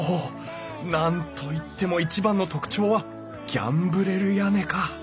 何と言っても一番の特徴はギャンブレル屋根か。